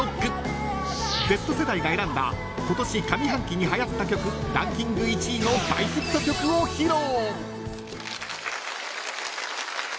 Ｚ世代が選んだ今年上半期にはやった曲ランキング１位の大ヒット曲を披露。